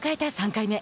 ３回目。